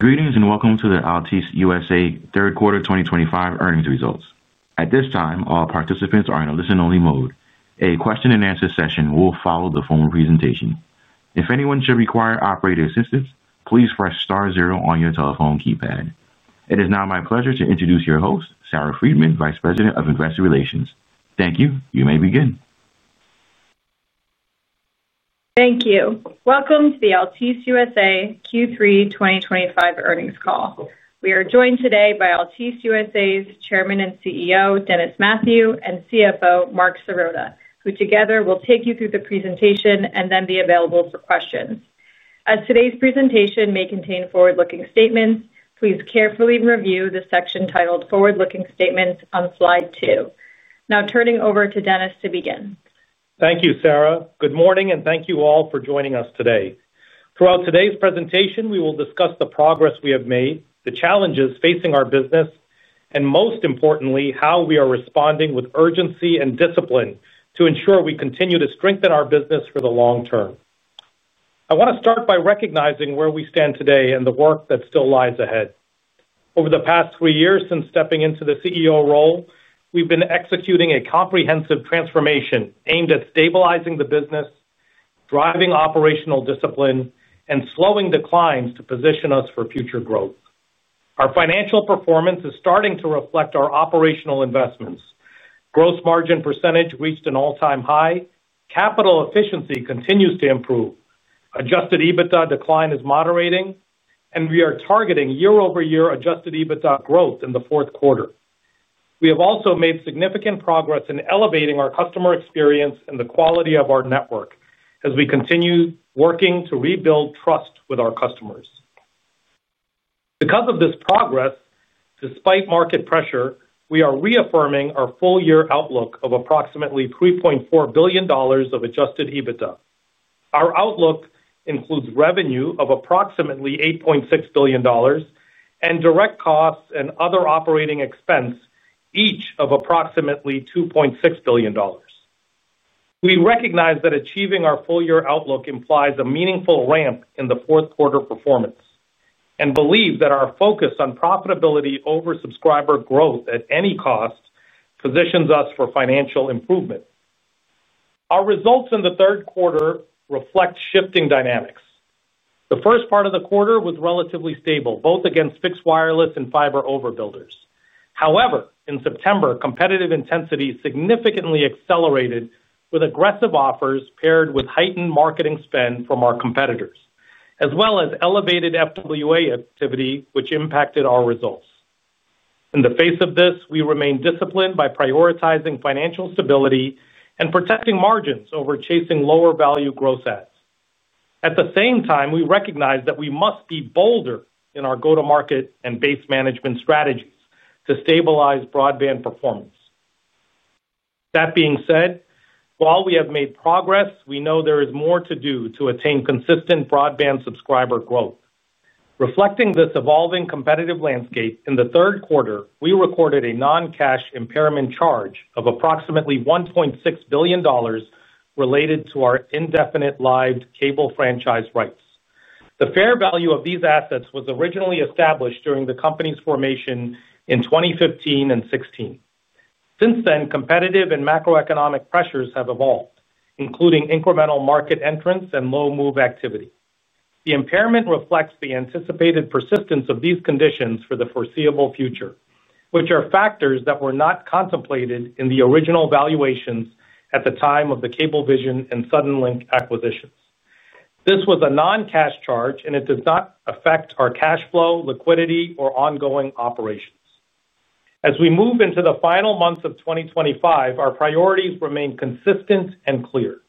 Greetings and welcome to the Altice USA third quarter 2025 earnings results. At this time, all participants are in a listen-only mode. A question-and-answer session will follow the formal presentation. If anyone should require operator assistance, please press star zero on your telephone keypad. It is now my pleasure to introduce your host, Sarah Freedman, Vice President of Investor Relations. Thank you. You may begin. Thank you. Welcome to the Altice USA Q3 2025 earnings call. We are joined today by Altice USA Chairman and CEO, Dennis Mathew, and CFO, Marc Sirota, who together will take you through the presentation and then be available for questions. As today's presentation may contain forward-looking statements, please carefully review the section titled Forward-Looking Statements on slide two. Now turning over to Dennis to begin. Thank you, Sarah. Good morning, and thank you all for joining us today. Throughout today's presentation, we will discuss the progress we have made, the challenges facing our business, and most importantly, how we are responding with urgency and discipline to ensure we continue to strengthen our business for the long term. I want to start by recognizing where we stand today and the work that still lies ahead. Over the past three years since stepping into the CEO role, we've been executing a comprehensive transformation aimed at stabilizing the business, driving operational discipline, and slowing declines to position us for future growth. Our financial performance is starting to reflect our operational investments. Gross margin percentage reached an all-time high. Capital efficiency continues to improve. Adjusted EBITDA decline is moderating, and we are targeting year-over-year Adjusted EBITDA growth in the fourth quarter. We have also made significant progress in elevating our customer experience and the quality of our network as we continue working to rebuild trust with our customers. Because of this progress, despite market pressure, we are reaffirming our full-year outlook of approximately $3.4 billion of Adjusted EBITDA. Our outlook includes revenue of approximately $8.6 billion, and direct costs and other operating expense, each of approximately $2.6 billion. We recognize that achieving our full-year outlook implies a meaningful ramp in the fourth quarter performance and believe that our focus on profitability over subscriber growth at any cost positions us for financial improvement. Our results in the third quarter reflect shifting dynamics. The first part of the quarter was relatively stable, both against fixed wireless and fiber overbuilders. However, in September, competitive intensity significantly accelerated with aggressive offers paired with heightened marketing spend from our competitors, as well as elevated FWA activity, which impacted our results. In the face of this, we remain disciplined by prioritizing financial stability and protecting margins over chasing lower-value gross ads. At the same time, we recognize that we must be bolder in our go-to-market and base management strategies to stabilize broadband performance. That being said, while we have made progress, we know there is more to do to attain consistent broadband subscriber growth. Reflecting this evolving competitive landscape, in the third quarter, we recorded a non-cash impairment charge of approximately $1.6 billion related to our indefinite-lived cable franchise rights. The fair value of these assets was originally established during the company's formation in 2015 and 2016. Since then, competitive and macroeconomic pressures have evolved, including incremental market entrance and low-move activity. The impairment reflects the anticipated persistence of these conditions for the foreseeable future, which are factors that were not contemplated in the original valuations at the time of the Cablevision and Suddenlink acquisitions. This was a non-cash charge, and it does not affect our cash flow, liquidity, or ongoing operations. As we move into the final months of 2025, our priorities remain consistent and clear.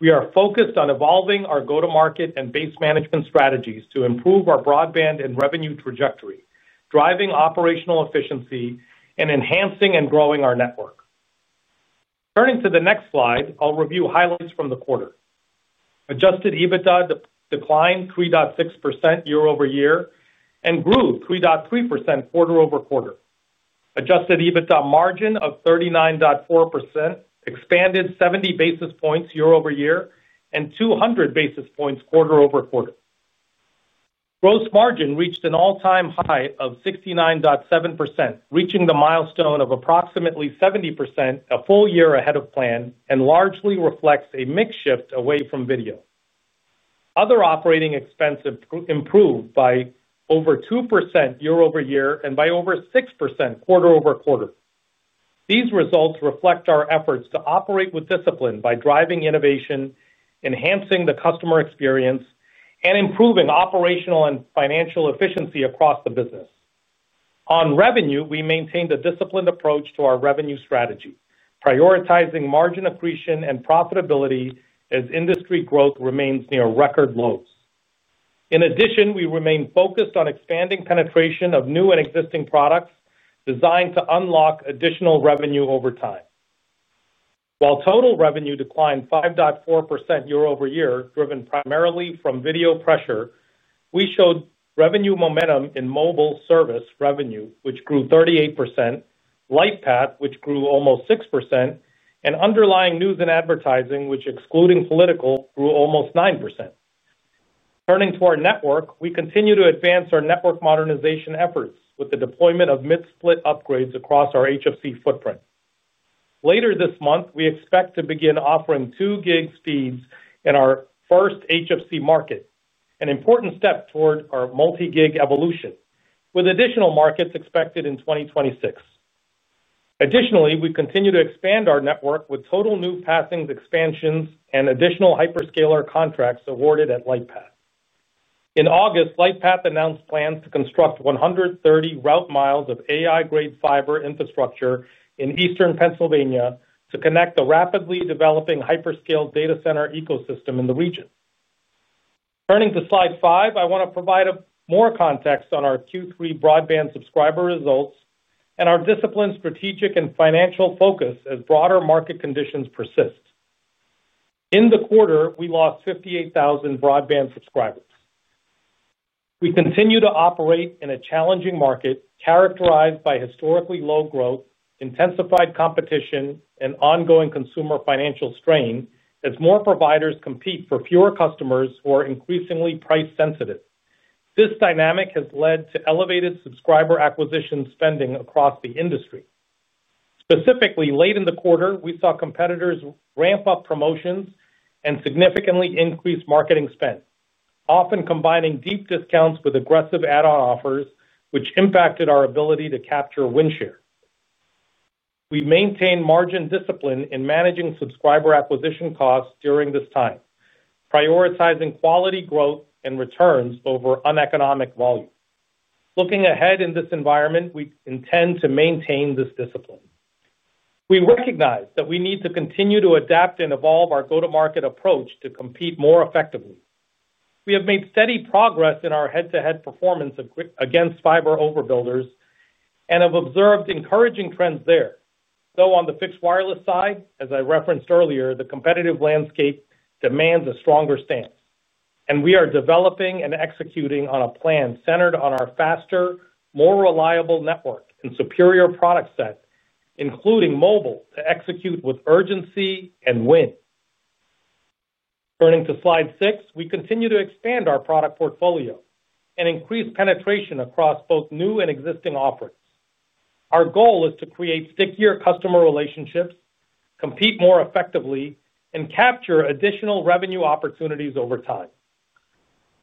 We are focused on evolving our go-to-market and base management strategies to improve our broadband and revenue trajectory, driving operational efficiency and enhancing and growing our network. Turning to the next slide, I'll review highlights from the quarter. Adjusted EBITDA declined 3.6% year-over-year and grew 3.3% quarter-over-quarter. Adjusted EBITDA margin of 39.4% expanded 70 basis points year-over-year and 200 basis points quarter-over-quarter. Gross margin reached an all-time high of 69.7%, reaching the milestone of approximately 70% a full year ahead of plan and largely reflects a mix shift away from video. Other operating expenses improved by over 2% year-over-year and by over 6% quarter-over-quarter. These results reflect our efforts to operate with discipline by driving innovation, enhancing the customer experience, and improving operational and financial efficiency across the business. On revenue, we maintained a disciplined approach to our revenue strategy, prioritizing margin accretion and profitability as industry growth remains near record lows. In addition, we remain focused on expanding penetration of new and existing products designed to unlock additional revenue over time. While total revenue declined 5.4% year-over-year, driven primarily from video pressure, we showed revenue momentum in mobile service revenue, which grew 38%. Lightpath, which grew almost 6%, and underlying news and advertising, which excluding political, grew almost 9%. Turning to our network, we continue to advance our network modernization efforts with the deployment of mid-split upgrades across our HFC footprint. Later this month, we expect to begin offering 2 Gb speeds in our first HFC market, an important step toward our multi-gig evolution, with additional markets expected in 2026. Additionally, we continue to expand our network with total new passings expansions and additional hyperscaler contracts awarded at Lightpath. In August, Lightpath announced plans to construct 130 route miles of AI-grade fiber infrastructure in eastern Pennsylvania to connect the rapidly developing Hyperscale Data Center ecosystem in the region. Turning to slide five, I want to provide more context on our Q3 broadband subscriber results and our disciplined strategic and financial focus as broader market conditions persist. In the quarter, we lost 58,000 broadband subscribers. We continue to operate in a challenging market characterized by historically low growth, intensified competition, and ongoing consumer financial strain as more providers compete for fewer customers who are increasingly price-sensitive. This dynamic has led to elevated subscriber acquisition spending across the industry. Specifically, late in the quarter, we saw competitors ramp up promotions and significantly increase marketing spend, often combining deep discounts with aggressive add-on offers, which impacted our ability to capture a windshare. We maintain margin discipline in managing subscriber acquisition costs during this time, prioritizing quality growth and returns over uneconomic volume. Looking ahead in this environment, we intend to maintain this discipline. We recognize that we need to continue to adapt and evolve our go-to-market approach to compete more effectively. We have made steady progress in our head-to-head performance against fiber overbuilders and have observed encouraging trends there. Though on the fixed wireless side, as I referenced earlier, the competitive landscape demands a stronger stance, and we are developing and executing on a plan centered on our faster, more reliable network and superior product set, including mobile, to execute with urgency and win. Turning to slide six, we continue to expand our product portfolio and increase penetration across both new and existing offerings. Our goal is to create stickier customer relationships, compete more effectively, and capture additional revenue opportunities over time.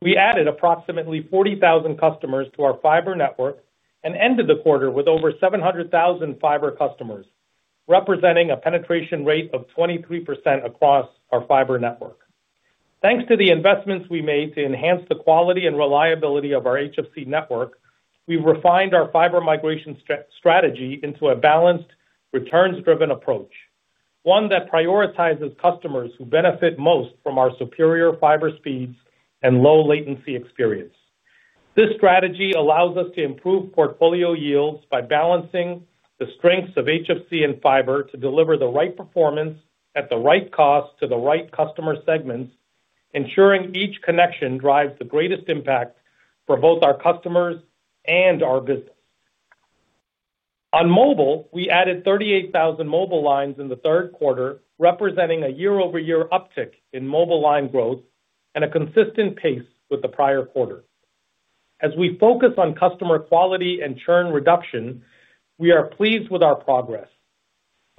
We added approximately 40,000 customers to our fiber network and ended the quarter with over 700,000 fiber customers, representing a penetration rate of 23% across our fiber network. Thanks to the investments we made to enhance the quality and reliability of our HFC network, we've refined our fiber migration strategy into a balanced, returns-driven approach, one that prioritizes customers who benefit most from our superior fiber speeds and low-latency experience. This strategy allows us to improve portfolio yields by balancing the strengths of HFC and Fiber to deliver the right performance at the right cost to the right customer segments, ensuring each connection drives the greatest impact for both our customers and our business. On mobile, we added 38,000 mobile lines in the third quarter, representing a year-over-year uptick in mobile line growth and a consistent pace with the prior quarter. As we focus on customer quality and churn reduction, we are pleased with our progress.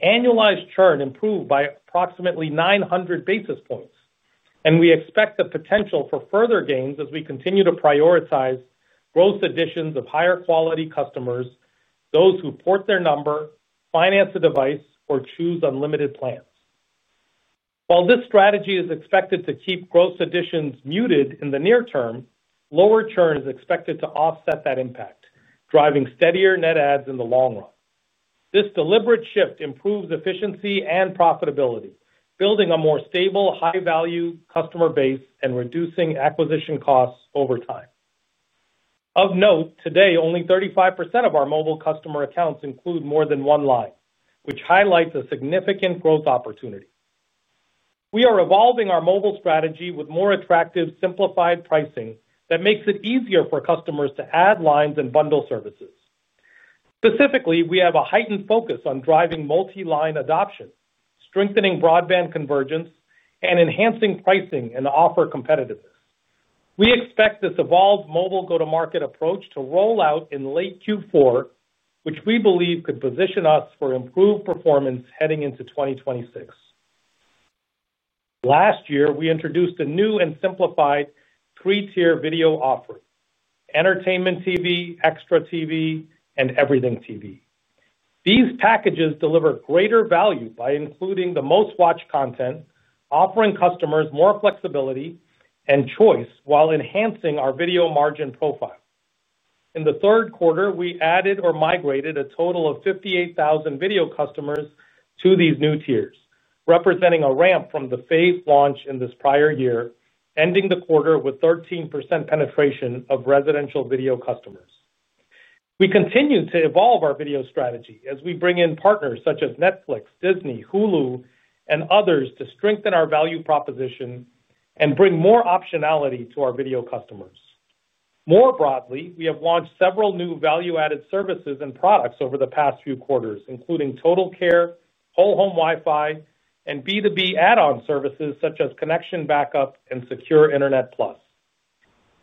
Annualized churn improved by approximately 900 basis points, and we expect the potential for further gains as we continue to prioritize gross additions of higher-quality customers, those who port their number, finance a device, or choose unlimited plans. While this strategy is expected to keep gross additions muted in the near term, lower churn is expected to offset that impact, driving steadier net adds in the long run. This deliberate shift improves efficiency and profitability, building a more stable, high-value customer base and reducing acquisition costs over time. Of note, today, only 35% of our mobile customer accounts include more than one line, which highlights a significant growth opportunity. We are evolving our mobile strategy with more attractive, simplified pricing that makes it easier for customers to add lines and bundle services. Specifically, we have a heightened focus on driving multi-line adoption, strengthening broadband convergence, and enhancing pricing and offer competitiveness. We expect this evolved mobile go-to-market approach to roll out in late Q4, which we believe could position us for improved performance heading into 2026. Last year, we introduced a new and simplified three-tier video offer: Entertainment TV, Extra TV, and Everything TV. These packages deliver greater value by including the most-watched content, offering customers more flexibility and choice while enhancing our video margin profile. In the third quarter, we added or migrated a total of 58,000 video customers to these new tiers, representing a ramp from the phased launch in this prior year, ending the quarter with 13% penetration of residential video customers. We continue to evolve our video strategy as we bring in partners such as Netflix, Disney, Hulu, and others to strengthen our value proposition and bring more optionality to our video customers. More broadly, we have launched several new value-added services and products over the past few quarters, including Total Care, Whole Home Wi-Fi, and B2B add-on services such as Connection Backup and Secure Internet Plus.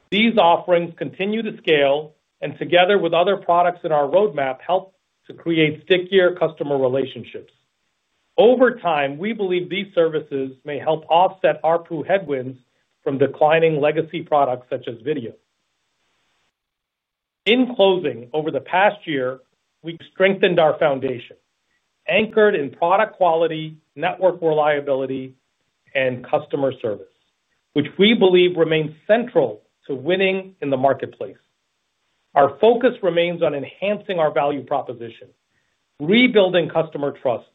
These offerings continue to scale and, together with other products in our roadmap, help to create stickier customer relationships. Over time, we believe these services may help offset our true headwinds from declining legacy products such as video. In closing, over the past year, we've strengthened our foundation, anchored in product quality, network reliability, and customer service, which we believe remains central to winning in the marketplace. Our focus remains on enhancing our value proposition. Rebuilding customer trust,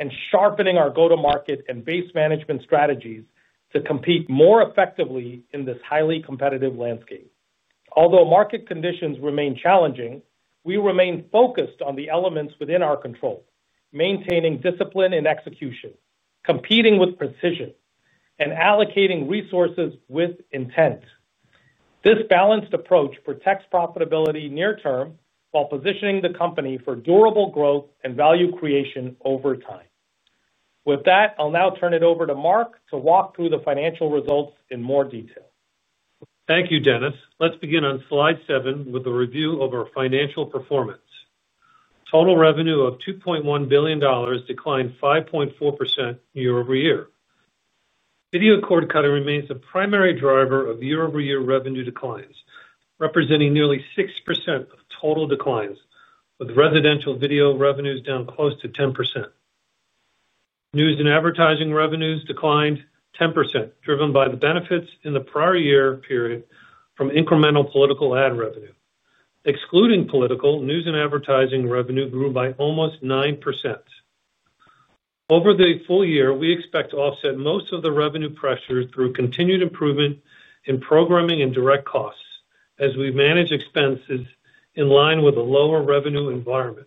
and sharpening our go-to-market and base management strategies to compete more effectively in this highly competitive landscape. Although market conditions remain challenging, we remain focused on the elements within our control: maintaining discipline and execution, competing with precision, and allocating resources with intent. This balanced approach protects profitability near-term while positioning the company for durable growth and value creation over time. With that, I'll now turn it over to Marc to walk through the financial results in more detail. Thank you, Dennis. Let's begin on slide seven with a review of our financial performance. Total revenue of $2.1 billion declined 5.4% year-over-year. Video Cord Cutting remains the primary driver of year-over-year revenue declines, representing nearly 6% of total declines, with Residential Video revenues down close to 10%. News and Advertising revenues declined 10%, driven by the benefits in the prior year period from incremental political ad revenue. Excluding political, News and Advertising revenue grew by almost 9%. Over the full year, we expect to offset most of the revenue pressure through continued improvement in programming and direct costs as we manage expenses in line with a lower revenue environment.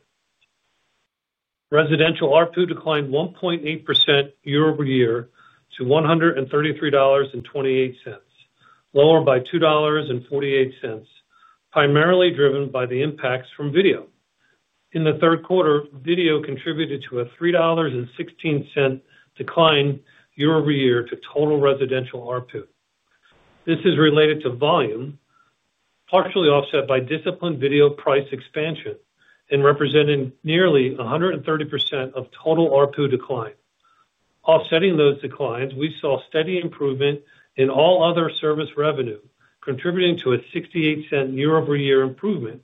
Residential R2 declined 1.8% year-over-year to $133.28, lower by $2.48. Primarily driven by the impacts from video. In the third quarter, Video contributed to a $3.16 decline year-over-year to total Residential R2. This is related to volume, partially offset by Disciplined Video Price Expansion and representing nearly 130% of total R2 decline. Offsetting those declines, we saw steady improvement in all other service revenue, contributing to a 68% year-over-year improvement,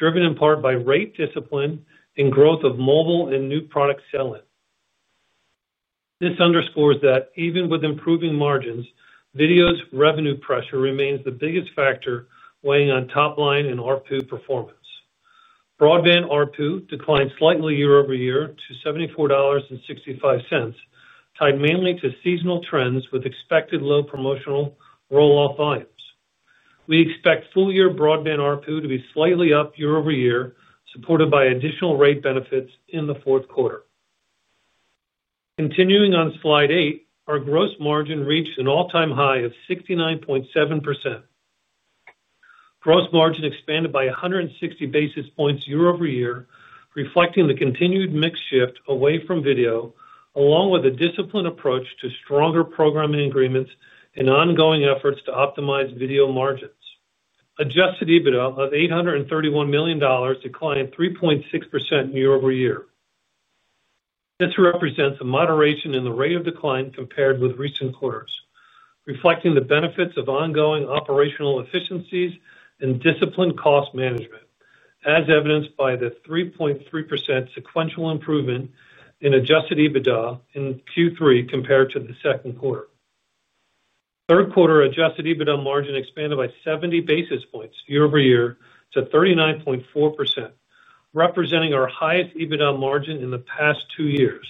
driven in part by rate discipline and growth of mobile and new product selling. This underscores that even with improving margins, Video's revenue pressure remains the biggest factor weighing on top line and R2 performance. Broadband R2 declined slightly year-over-year to $74.65, tied mainly to seasonal trends with expected low promotional rollout volumes. We expect full-year broadband R2 to be slightly up year-over-year, supported by additional rate benefits in the fourth quarter. Continuing on slide eight, our gross margin reached an all-time high of 69.7%. Gross margin expanded by 160 basis points year-over-year, reflecting the continued mix shift away from video, along with a disciplined approach to stronger programming agreements and ongoing efforts to optimize video margins. Adjusted EBITDA of $831 million declined 3.6% year-over-year. This represents a moderation in the rate of decline compared with recent quarters, reflecting the benefits of ongoing operational efficiencies and disciplined cost management, as evidenced by the 3.3% sequential improvement in Adjusted EBITDA in Q3 compared to the second quarter. Third quarter Adjusted EBITDA margin expanded by 70 basis points year-over-year to 39.4%. Representing our highest EBITDA margin in the past two years,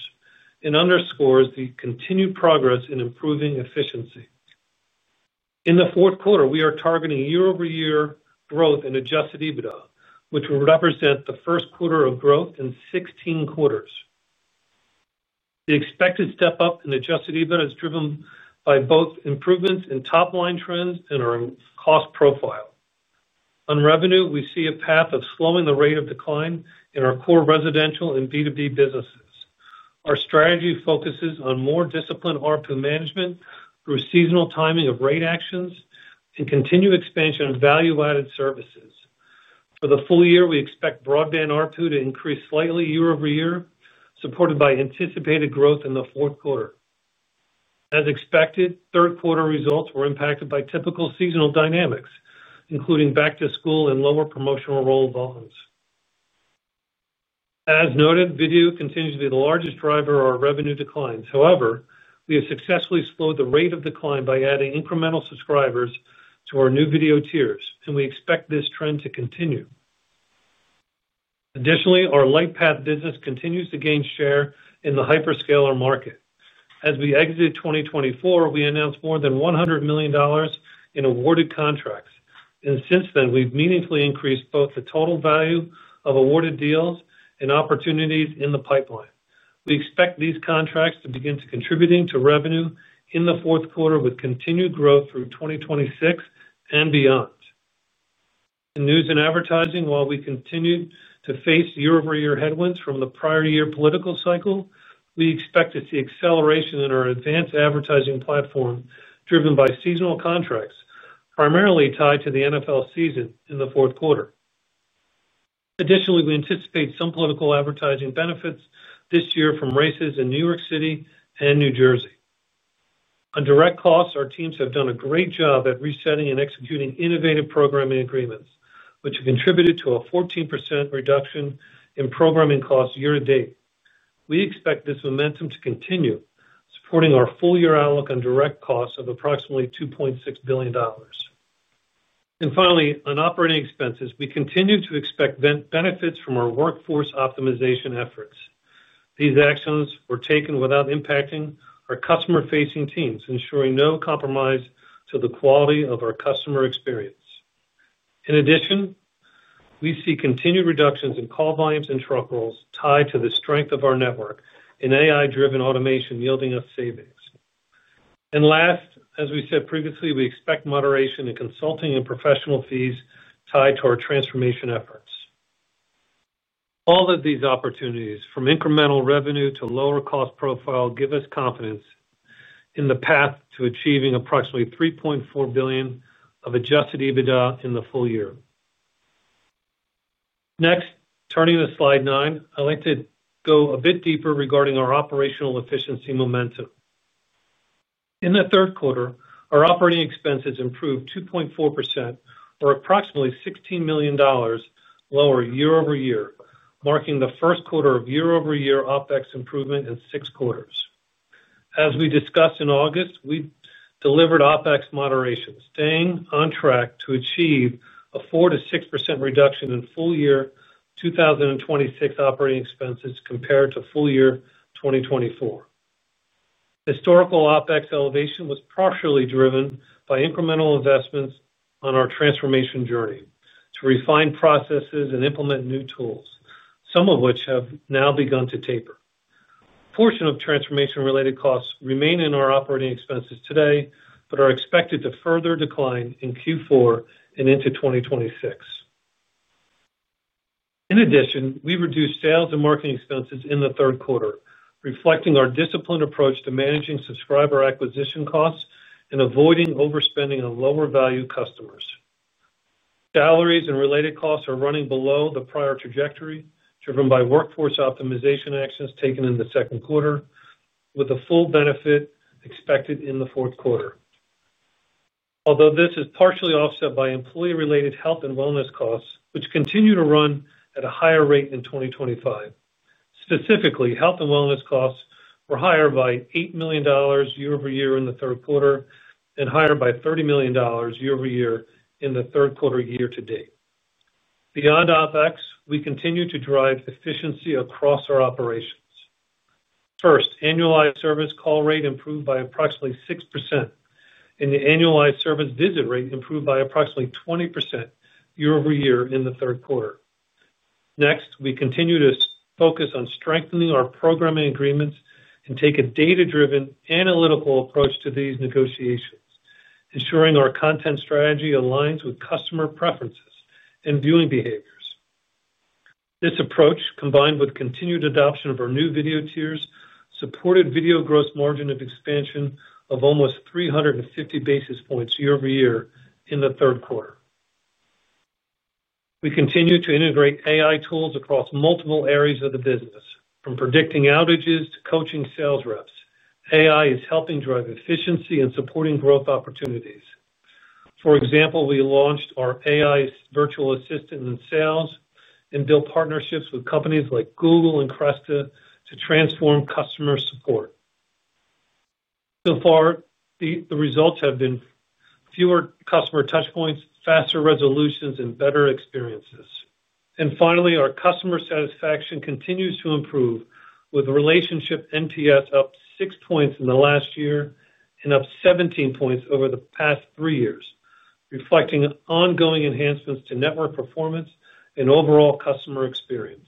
it underscores the continued progress in improving efficiency. In the fourth quarter, we are targeting year-over-year growth in Adjusted EBITDA, which will represent the first quarter of growth in 16 quarters. The expected step-up in Adjusted EBITDA is driven by both improvements in top line trends and our cost profile. On revenue, we see a path of slowing the rate of decline in our core residential and B2B businesses. Our strategy focuses on more disciplined R2 management through seasonal timing of rate actions and continued expansion of value-added services. For the full year, we expect broadband R2 to increase slightly year-over-year, supported by anticipated growth in the fourth quarter. As expected, third quarter results were impacted by typical seasonal dynamics, including back-to-school and lower promotional roll volumes. As noted, video continues to be the largest driver of our revenue declines. However, we have successfully slowed the rate of decline by adding incremental subscribers to our new video tiers, and we expect this trend to continue. Additionally, our Lightpath business continues to gain share in the hyperscaler market. As we exited 2024, we announced more than $100 million in awarded contracts, and since then, we've meaningfully increased both the total value of awarded deals and opportunities in the pipeline. We expect these contracts to begin contributing to revenue in the fourth quarter with continued growth through 2026 and beyond. In news and advertising, while we continue to face year-over-year headwinds from the prior year political cycle, we expect to see acceleration in our advanced advertising platform driven by seasonal contracts, primarily tied to the NFL season in the fourth quarter. Additionally, we anticipate some political advertising benefits this year from races in New York City and New Jersey. On direct costs, our teams have done a great job at resetting and executing innovative programming agreements, which have contributed to a 14% reduction in programming costs year-to-date. We expect this momentum to continue, supporting our full-year outlook on direct costs of approximately $2.6 billion. Finally, on operating expenses, we continue to expect benefits from our workforce optimization efforts. These actions were taken without impacting our customer-facing teams, ensuring no compromise to the quality of our customer experience. In addition, we see continued reductions in call volumes and truck rolls tied to the strength of our network and AI-driven automation yielding us savings. Last, as we said previously, we expect moderation in consulting and professional fees tied to our transformation efforts. All of these opportunities, from incremental revenue to lower cost profile, give us confidence in the path to achieving approximately $3.4 billion of Adjusted EBITDA in the full year. Next, turning to slide nine, I'd like to go a bit deeper regarding our operational efficiency momentum. In the third quarter, our operating expenses improved 2.4%, or approximately $16 million. Lower year-over-year, marking the first quarter of year-over-year OpEx improvement in six quarters. As we discussed in August, we delivered OpEx moderation, staying on track to achieve a 4%-6% reduction in full-year 2026 operating expenses compared to full-year 2024. Historical OpEx elevation was partially driven by incremental investments on our transformation journey to refine processes and implement new tools, some of which have now begun to taper. A portion of transformation-related costs remain in our operating expenses today but are expected to further decline in Q4 and into 2026. In addition, we reduced sales and marketing expenses in the third quarter, reflecting our disciplined approach to managing subscriber acquisition costs and avoiding overspending on lower-value customers. Salaries and related costs are running below the prior trajectory, driven by workforce optimization actions taken in the second quarter, with the full benefit expected in the fourth quarter. Although this is partially offset by employee-related health and wellness costs, which continue to run at a higher rate in 2025. Specifically, health and wellness costs were higher by $8 million year-over-year in the third quarter and higher by $30 million year-over-year in the third quarter year-to-date. Beyond OpEx, we continue to drive efficiency across our operations. First, annualized service call rate improved by approximately 6%. The annualized service visit rate improved by approximately 20% year-over-year in the third quarter. Next, we continue to focus on strengthening our programming agreements and take a data-driven, analytical approach to these negotiations, ensuring our content strategy aligns with customer preferences and viewing behaviors. This approach, combined with continued adoption of our new video tiers, supported video gross margin expansion of almost 350 basis points year-over-year in the third quarter. We continue to integrate AI tools across multiple areas of the business. From predicting outages to coaching sales reps, AI is helping drive efficiency and supporting growth opportunities. For example, we launched our AI virtual assistant in sales and built partnerships with companies like Google and Cresta to transform customer support. So far, the results have been fewer customer touchpoints, faster resolutions, and better experiences. Our customer satisfaction continues to improve, with relationship NTS up 6 points in the last year and up 17 points over the past three years, reflecting ongoing enhancements to network performance and overall customer experience.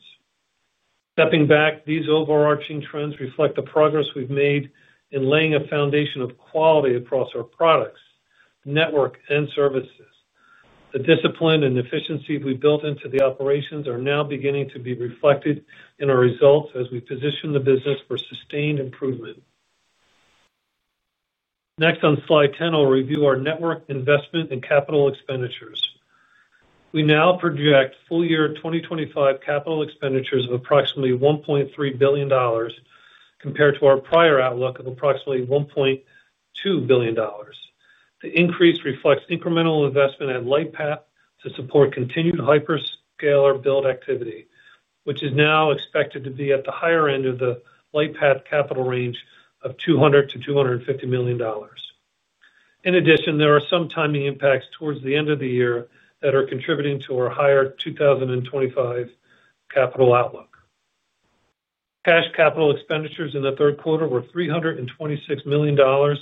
Stepping back, these overarching trends reflect the progress we've made in laying a foundation of quality across our products, network, and services. The discipline and efficiency we built into the operations are now beginning to be reflected in our results as we position the business for sustained improvement. Next, on slide 10, I'll review our network investment and capital expenditures. We now project full-year 2025 capital expenditures of approximately $1.3 billion, compared to our prior outlook of approximately $1.2 billion. The increase reflects incremental investment at Lightpath to support continued hyperscaler build activity, which is now expected to be at the higher end of the Lightpath capital range of $200 million-$250 million. In addition, there are some timing impacts towards the end of the year that are contributing to our higher 2025 capital outlook. Cash capital expenditures in the third quarter were $326 million, down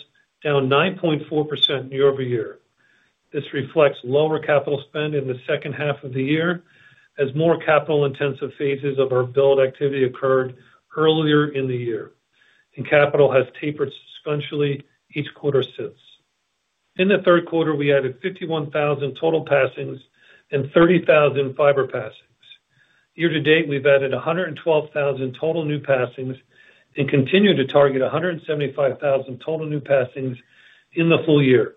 9.4% year-over-year. This reflects lower capital spend in the second half of the year as more Capital-Intensive phases of our build activity occurred earlier in the year, and capital has tapered substantially each quarter since. In the third quarter, we added 51,000 total passings and 30,000 fiber passings. Year-to-date, we've added 112,000 total new passings and continue to target 175,000 total new passings in the full year.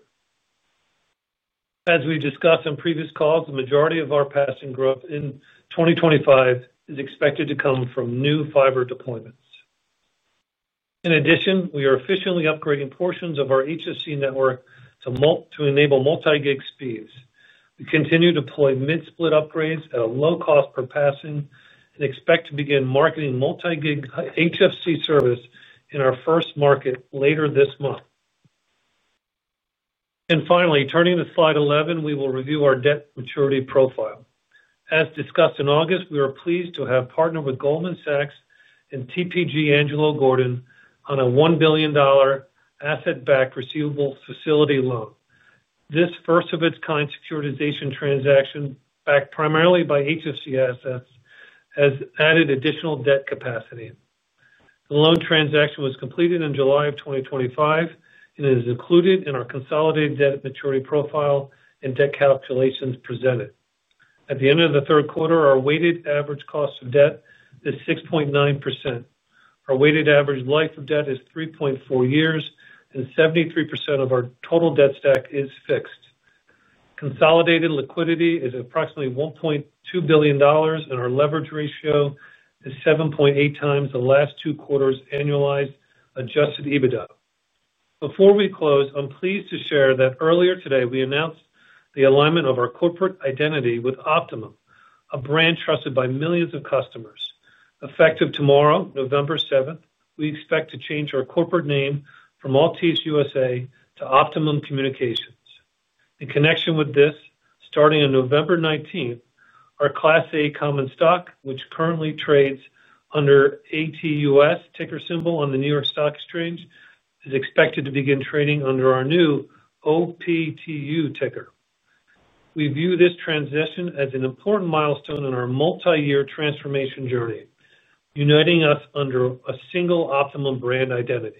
As we've discussed on previous calls, the majority of our passing growth in 2025 is expected to come from new fiber deployments. In addition, we are officially upgrading portions of our HFC network to enable multi-gig speeds. We continue to deploy mid-split upgrades at a low cost per passing and expect to begin marketing multi-gig HFC service in our first market later this month. Finally, turning to slide 11, we will review our debt maturity profile. As discussed in August, we are pleased to have partnered with Goldman Sachs and TPG Angelo Gordon on a $1 billion asset-backed receivable facility loan. This first-of-its-kind securitization transaction, backed primarily by HFC assets, has added additional debt capacity. The loan transaction was completed in July of 2025 and is included in our consolidated debt maturity profile and debt calculations presented. At the end of the third quarter, our weighted average cost of debt is 6.9%. Our weighted average life of debt is 3.4 years, and 73% of our total debt stack is fixed. Consolidated liquidity is approximately $1.2 billion, and our leverage ratio is 7.8 times the last two quarters' annualized Adjusted EBITDA. Before we close, I'm pleased to share that earlier today, we announced the alignment of our corporate identity with Optimum, a brand trusted by millions of customers. Effective tomorrow, November 7, we expect to change our corporate name from Altice USA to Optimum Communications. In connection with this, starting on November 19, our Class A Common Stock, which currently trades under ATUS ticker symbol on the New York Stock Exchange, is expected to begin trading under our new OPTU ticker. We view this transition as an important milestone in our multi-year transformation journey, uniting us under a single Optimum brand identity.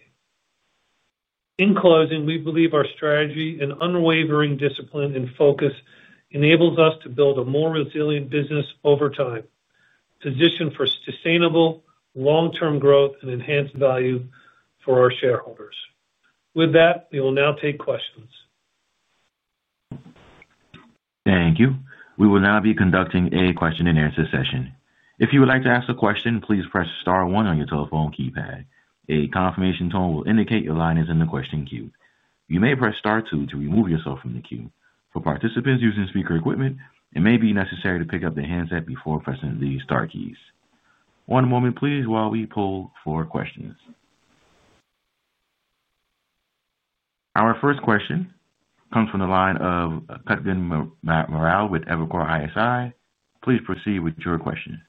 In closing, we believe our strategy and unwavering discipline and focus enables us to build a more resilient business over time, positioned for sustainable, long-term growth, and enhanced value for our shareholders. With that, we will now take questions. Thank you. We will now be conducting a question-and-answer session. If you would like to ask a question, please press star one on your telephone keypad. A confirmation tone will indicate your line is in the question queue. You may press star two to remove yourself from the queue. For participants using speaker equipment, it may be necessary to pick up the handset before pressing the star keys. One moment, please, while we pull for questions. Our first question comes from the line of Kutgun Maral with Evercore ISI. Please proceed with your question.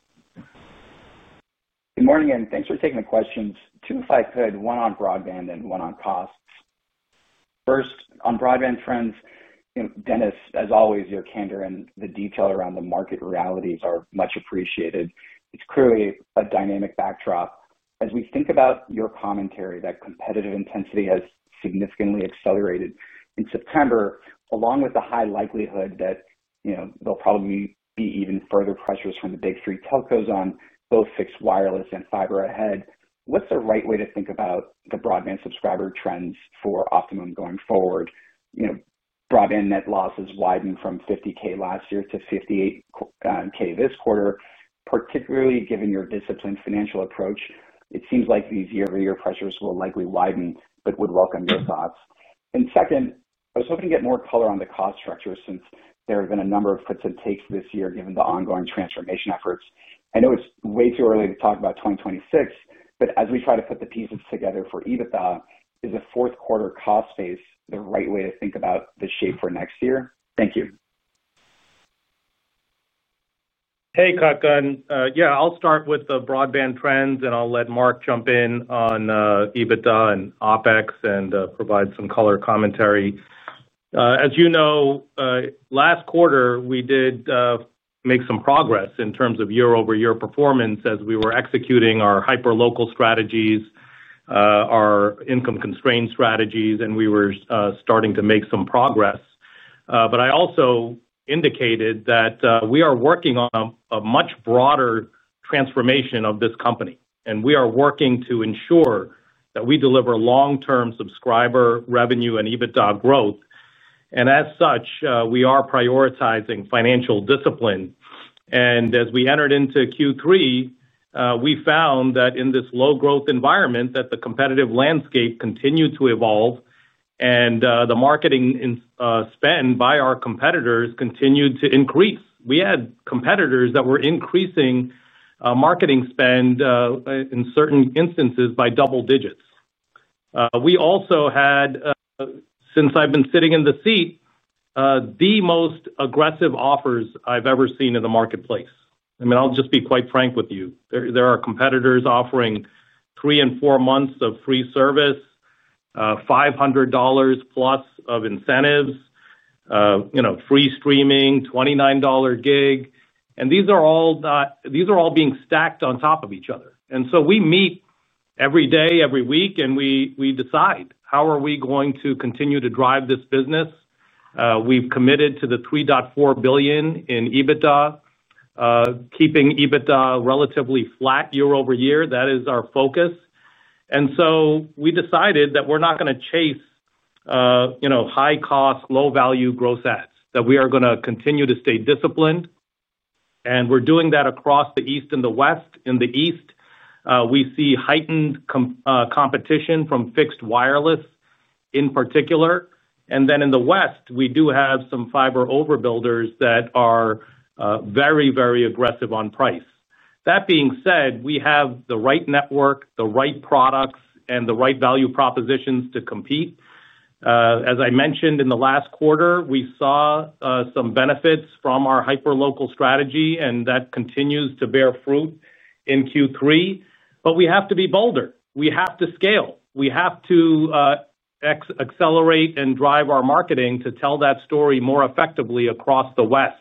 Good morning, and thanks for taking the questions. Two, if I could, one on broadband and one on costs. First, on broadband trends, Dennis, as always, your candor and the detail around the market realities are much appreciated. It's clearly a dynamic backdrop. As we think about your commentary, that competitive intensity has significantly accelerated in September, along with the high likelihood that there'll probably be even further pressures from the big three telcos on both fixed wireless and fiber ahead. What's the right way to think about the broadband subscriber trends for Optimum going forward? Broadband net losses widened from 50,000 last year to 58,000 this quarter. Particularly given your disciplined financial approach, it seems like these year-over-year pressures will likely widen, but would welcome your thoughts. Second, I was hoping to get more color on the cost structure since there have been a number of puts and takes this year given the ongoing transformation efforts. I know it's way too early to talk about 2026, but as we try to put the pieces together for EBITDA, is a fourth-quarter cost phase the right way to think about the shape for next year? Thank you. Hey, Kutgun. Yeah, I'll start with the broadband trends, and I'll let Marc jump in on EBITDA and OpEx and provide some color commentary. As you know, last quarter, we did make some progress in terms of year-over-year performance as we were executing our hyper-local strategies, our income-constrained strategies, and we were starting to make some progress. I also indicated that we are working on a much broader transformation of this company, and we are working to ensure that we deliver long-term subscriber revenue and EBITDA growth. As such, we are prioritizing financial discipline. As we entered into Q3, we found that in this low-growth environment, the competitive landscape continued to evolve, and the marketing spend by our competitors continued to increase. We had competitors that were increasing marketing spend, in certain instances by double-digits. We also had, since I've been sitting in the seat, the most aggressive offers I've ever seen in the marketplace. I mean, I'll just be quite frank with you. There are competitors offering three and four months of free service, $500+ of incentives, free streaming, $29 Gb. These are all being stacked on top of each other. We meet every day, every week, and we decide how are we going to continue to drive this business. We have committed to the $3.4 billion in EBITDA. Keeping EBITDA relatively flat year-over-year, that is our focus. We decided that we are not going to chase high-cost, low-value gross ads, that we are going to continue to stay disciplined. We are doing that across the East and the West. In the East, we see heightened competition from fixed wireless in particular. In the West, we do have some fiber overbuilders that are very, very aggressive on price. That being said, we have the right network, the right products, and the right value propositions to compete. As I mentioned in the last quarter, we saw some benefits from our hyper-local strategy, and that continues to bear fruit in Q3. We have to be bolder. We have to scale. We have to accelerate and drive our marketing to tell that story more effectively across the West.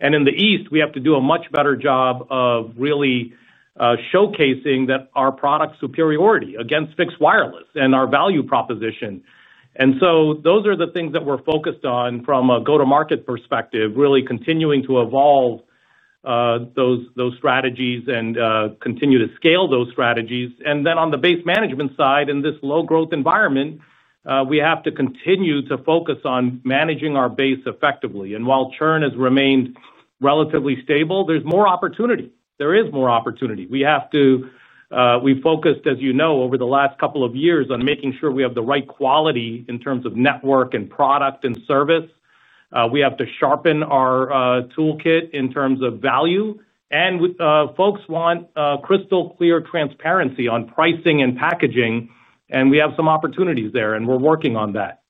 In the East, we have to do a much better job of really showcasing our product superiority against fixed wireless and our value proposition. Those are the things that we're focused on from a go-to-market perspective, really continuing to evolve those strategies and continue to scale those strategies. On the base management side, in this low-growth environment, we have to continue to focus on managing our base effectively. While churn has remained relatively stable, there is more opportunity. We have to. We focused, as you know, over the last couple of years on making sure we have the right quality in terms of network and product and service. We have to sharpen our toolkit in terms of value. Folks want crystal-clear transparency on pricing and packaging, and we have some opportunities there, and we're working on that.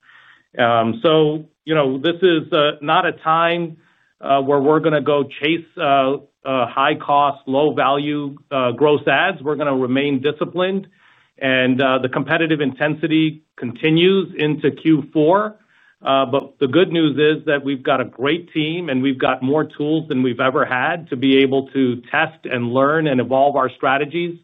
This is not a time where we're going to go chase high-cost, low-value gross ads. We're going to remain disciplined, and the competitive intensity continues into Q4. The good news is that we've got a great team, and we've got more tools than we've ever had to be able to test and learn and evolve our strategies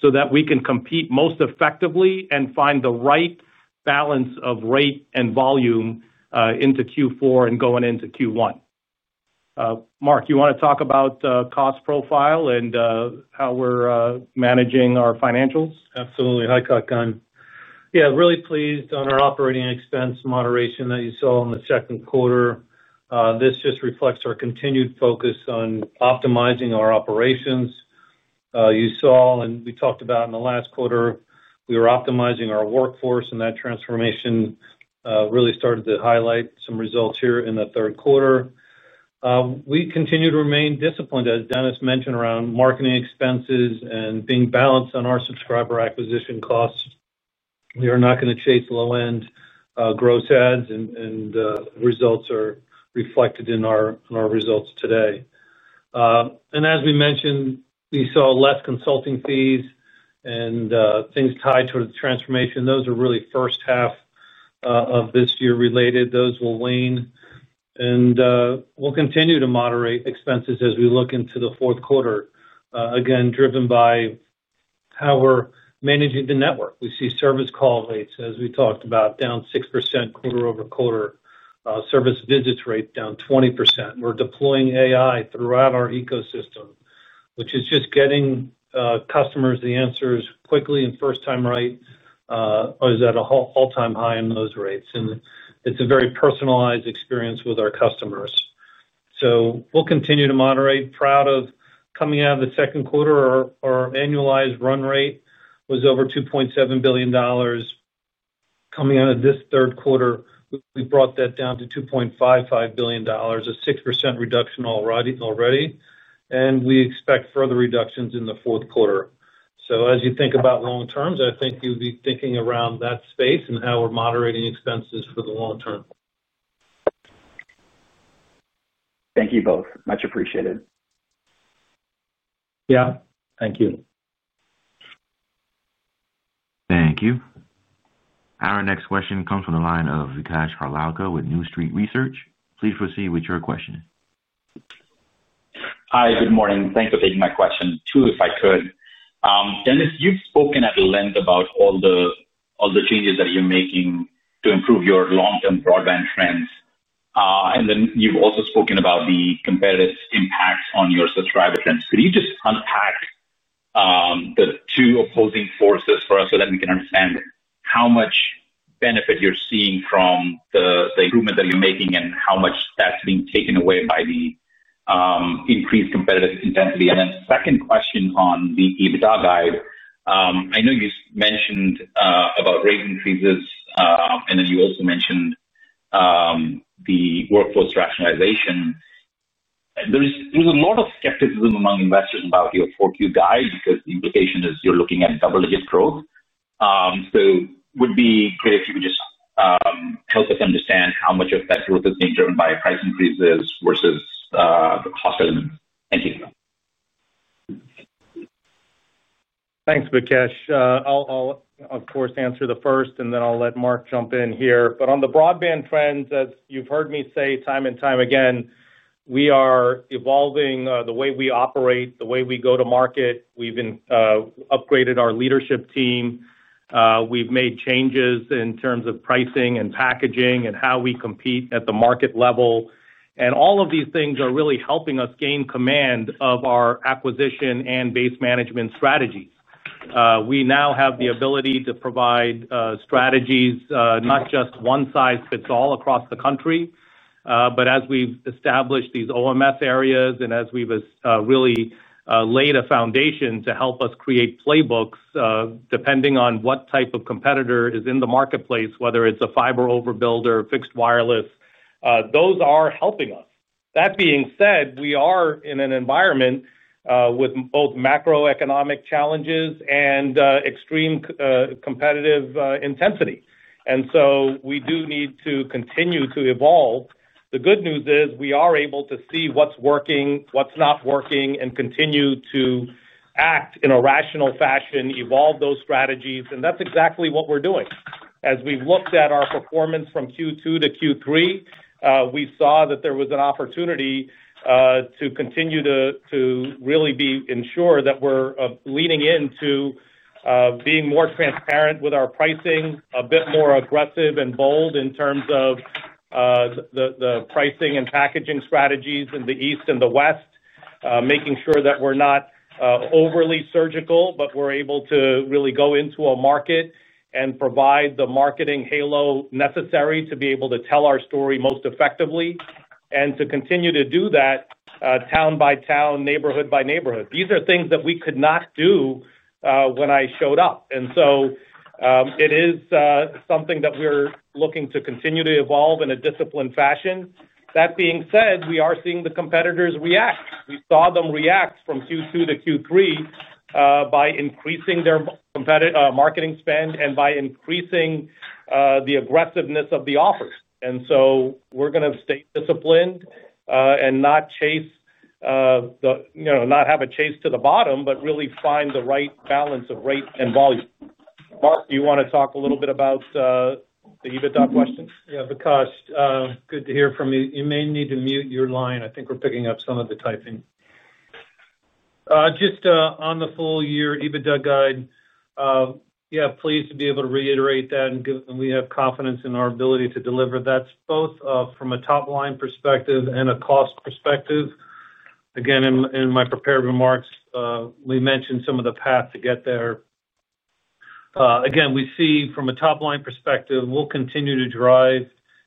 so that we can compete most effectively and find the right balance of rate and volume into Q4 and going into Q1. Marc, you want to talk about cost profile and how we're managing our financials? Absolutely. Hi, Kutgun. Yeah, really pleased on our operating expense moderation that you saw in the second quarter. This just reflects our continued focus on optimizing our operations. You saw, and we talked about in the last quarter, we were optimizing our workforce, and that transformation really started to highlight some results here in the third quarter. We continue to remain disciplined, as Dennis mentioned, around marketing expenses and being balanced on our subscriber acquisition costs. We are not going to chase low-end gross ads, and the results are reflected in our results today. As we mentioned, we saw less consulting fees and things tied to the transformation. Those are really first half of this year related. Those will wane. We'll continue to moderate expenses as we look into the fourth quarter, again, driven by how we're managing the network. We see service call rates, as we talked about, down 6% quarter-over-quarter. Service visits rate down 20%. We're deploying AI throughout our ecosystem, which is just getting customers the answers quickly and first time right. Or is at an all-time high in those rates. And it's a very personalized experience with our customers. We'll continue to moderate. Proud of coming out of the second quarter, our annualized run rate was over $2.7 billion. Coming out of this third quarter, we brought that down to $2.55 billion, a 6% reduction already. We expect further reductions in the fourth quarter. As you think about long terms, I think you'll be thinking around that space and how we're moderating expenses for the long term. Thank you both. Much appreciated. Yeah. Thank you. Thank you. Our next question comes from the line of Vikash Harlalka with New Street Research. Please proceed with your question. Hi, good morning. Thanks for taking my question. Two, if I could. Dennis, you've spoken at length about all the changes that you're making to improve your long-term broadband trends. You have also spoken about the competitive impacts on your subscriber trends. Could you just unpack the two opposing forces for us so that we can understand how much benefit you're seeing from the improvement that you're making and how much that's being taken away by the increased competitive intensity? Second question on the EBITDA guide, I know you mentioned about rate increases, and you also mentioned the workforce rationalization. There was a lot of skepticism among investors about your Q4 guide because the implication is you're looking at double-digit growth. It would be great if you could just help us understand how much of that growth is being driven by price increases vs the cost elements. Thank you. Thanks, Vikash. I'll, of course, answer the first, and then I'll let Marc jump in here. On the broadband trends, as you've heard me say time and time again, we are evolving the way we operate, the way we go to market. We've upgraded our leadership team. We've made changes in terms of pricing and packaging and how we compete at the market level. All of these things are really helping us gain command of our acquisition and base management strategies. We now have the ability to provide strategies, not just one-size-fits-all across the country, but as we've established these OMS areas and as we've really laid a foundation to help us create playbooks depending on what type of competitor is in the marketplace, whether it's a fiber overbuilder, fixed wireless, those are helping us. That being said, we are in an environment. With both macro-economic challenges and extreme competitive intensity. We do need to continue to evolve. The good news is we are able to see what's working, what's not working, and continue to act in a rational fashion, evolve those strategies. That's exactly what we're doing. As we've looked at our performance from Q2-Q3, we saw that there was an opportunity to continue to really ensure that we're leaning into being more transparent with our pricing, a bit more aggressive and bold in terms of the pricing and packaging strategies in the East and the West, making sure that we're not overly surgical, but we're able to really go into a market and provide the marketing halo necessary to be able to tell our story most effectively and to continue to do that town by town, neighborhood by neighborhood. These are things that we could not do when I showed up. It is something that we're looking to continue to evolve in a disciplined fashion. That being said, we are seeing the competitors react. We saw them react from Q2-Q3 by increasing their marketing spend and by increasing the aggressiveness of the offers. We are going to stay disciplined and not chase, not have a chase to the bottom, but really find the right balance of rate and volume. Mark, do you want to talk a little bit about the EBITDA questions? Yeah, Vikash, good to hear from you. You may need to mute your line. I think we're picking up some of the typing. Just on the full-year EBITDA guide. Yeah, pleased to be able to reiterate that and we have confidence in our ability to deliver that both from a top-line perspective and a cost perspective. Again, in my prepared remarks, we mentioned some of the path to get there. Again, we see from a top-line perspective, we'll continue to drive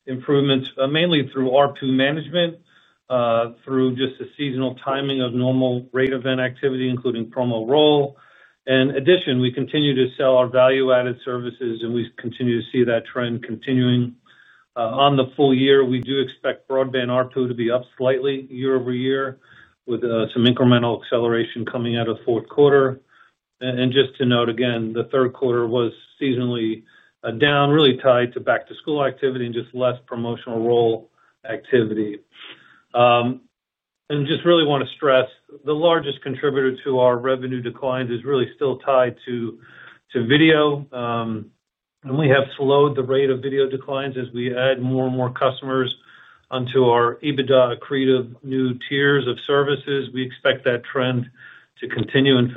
improvements mainly through R2 management. Through just the seasonal timing of normal rate event activity, including promo role. In addition, we continue to sell our value-added services, and we continue to see that trend continuing. On the full year, we do expect broadband R2 to be up slightly year-over-year with some incremental acceleration coming out of the fourth quarter. And just to note, again, the third quarter was seasonally down, really tied to back-to-school activity and just less promotional role activity. I just really want to stress, the largest contributor to our revenue declines is really still tied to video. We have slowed the rate of video declines as we add more and more customers onto our EBITDA accretive new tiers of services. We expect that trend to continue. In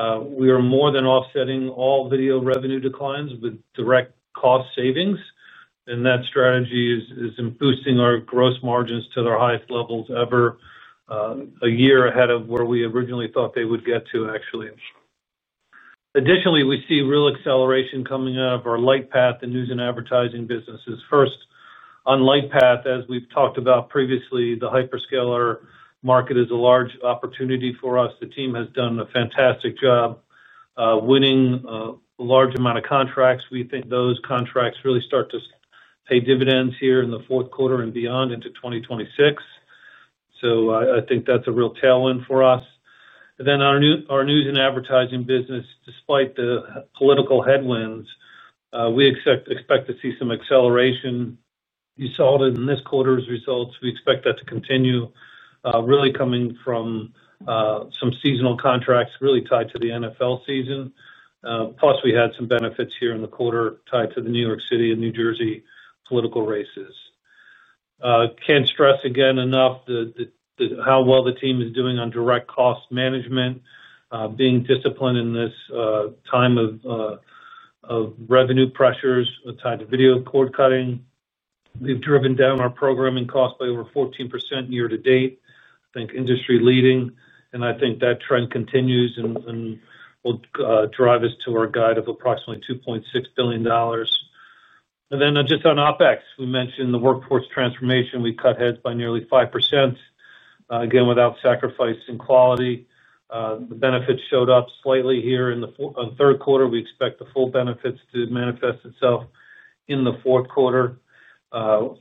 fact, we are more than offsetting all video revenue declines with direct cost savings. That strategy is boosting our gross margins to their highest levels ever, a year ahead of where we originally thought they would get to, actually. Additionally, we see real acceleration coming out of our Lightpath and news and advertising businesses. First, on Lightpath, as we've talked about previously, the hyperscaler market is a large opportunity for us. The team has done a fantastic job winning a large amount of contracts. We think those contracts really start to pay dividends here in the fourth quarter and beyond into 2026. I think that's a real tailwind for us. Our news and advertising business, despite the political headwinds, we expect to see some acceleration. You saw it in this quarter's results. We expect that to continue, really coming from some seasonal contracts really tied to the NFL season. Plus, we had some benefits here in the quarter tied to the New York City and New Jersey political races. Can't stress again enough how well the team is doing on direct cost management. Being disciplined in this time of revenue pressures tied to video cord cutting. We've driven down our programming cost by over 14% year to date. I think industry leading. I think that trend continues and will drive us to our guide of approximately $2.6 billion. On OpEx, we mentioned the workforce transformation. We cut heads by nearly 5% without sacrificing quality. The benefits showed up slightly here in the third quarter. We expect the full benefits to manifest itself in the fourth quarter.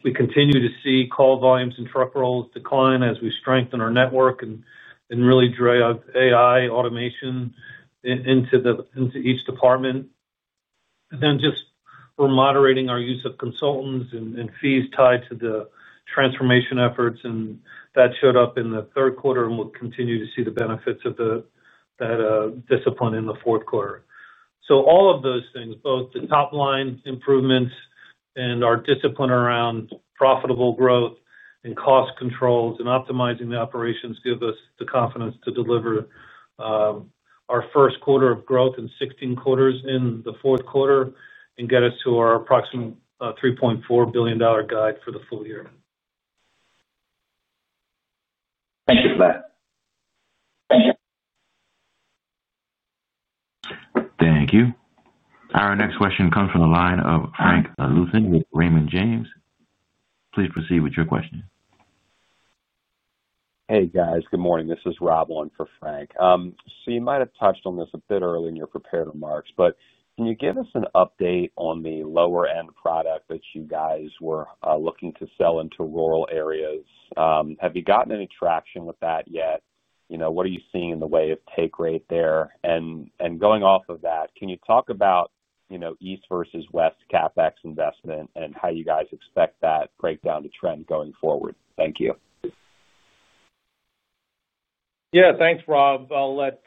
We continue to see call volumes and truck rolls decline as we strengthen our network and really drive AI automation into each department. We are moderating our use of consultants and fees tied to the transformation efforts. That showed up in the third quarter, and we will continue to see the benefits of that discipline in the fourth quarter. All of those things, both the top-line improvements and our discipline around profitable growth and cost controls and optimizing the operations, give us the confidence to deliver. Our first quarter of growth in 16 quarters in the fourth quarter and get us to our approximate $3.4 billion guide for the full year. Thank you for that. Thank you. Thank you. Our next question comes from the line of Frank Louthan with Raymond James. Please proceed with your question. Hey, guys. Good morning. This is Rob Owen for Frank. You might have touched on this a bit early in your prepared remarks, but can you give us an update on the lower-end product that you guys were looking to sell into rural areas? Have you gotten any traction with that yet? What are you seeing in the way of take rate there? Going off of that, can you talk about East vs West CapEx investment and how you guys expect that breakdown to trend going forward? Thank you. Yeah, thanks, Rob. I'll let.